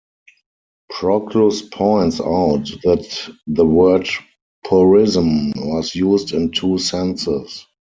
Proclus points out that the word "porism" was used in two senses.